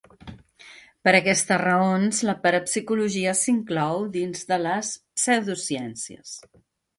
Per aquestes raons la parapsicologia s'inclou dins de les pseudociències.